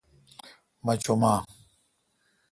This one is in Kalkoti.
مہ چو م اہ؟